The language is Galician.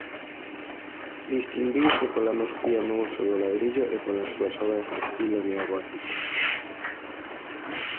Distinguiuse pola mestría no uso do ladrillo e polas súas obras de estilo neogótico.